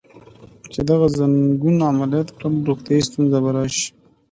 چې دغه ځنګون عملیات کړم، روغتیایی ستونزه به راشي.